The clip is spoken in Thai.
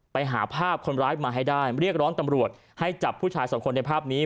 ไปหาภาพคนร้ายมาให้ได้เรียกร้องตำรวจให้จับผู้ชายสองคนในภาพนี้